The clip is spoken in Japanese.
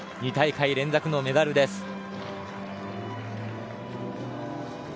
２大会連続のメダルです。